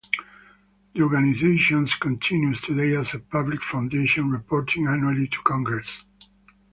The organization continues today as a public foundation reporting annually to Congress.